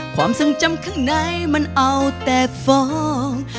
ความทรงจำข้างในมันเอาแต่ฟอง